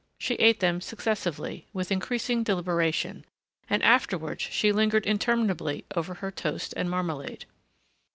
She ate them successively, with increasing deliberation, and afterwards she lingered interminably over her toast and marmalade.